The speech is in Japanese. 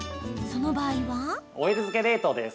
その場合は。